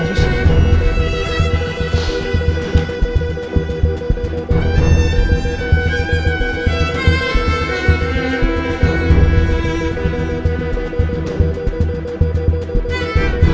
istri saya kenapa